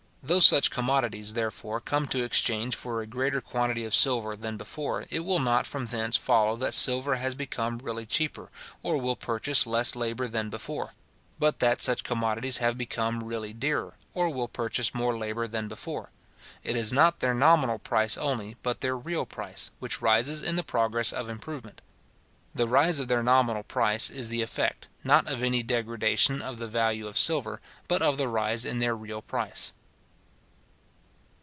Though such commodities, therefore, come to exchange for a greater quantity of silver than before, it will not from thence follow that silver has become really cheaper, or will purchase less labour than before; but that such commodities have become really dearer, or will purchase more labour than before. It is not their nominal price only, but their real price, which rises in the progress of improvement. The rise of their nominal price is the effect, not of any degradation of the value of silver, but of the rise in their real price.